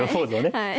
はい。